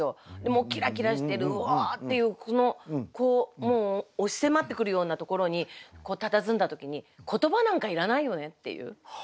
もうキラキラしてるウォーッていう押し迫ってくるようなところにたたずんだ時に言葉なんかいらないよねっていう。